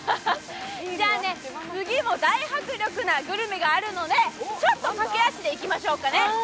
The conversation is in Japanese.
次も大迫力なグルメがあるので、ちょっと駆け足で行きましょうかね。